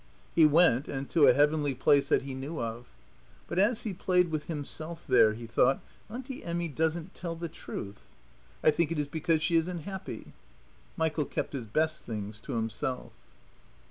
He went and to a heavenly place that he knew of. But as he played with Himself there he thought: "Auntie Emmy doesn't tell the truth. I think it is because she isn't happy." Michael kept his best things to himself.